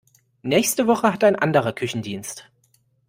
Nächste Woche hat ein anderer Küchendienst.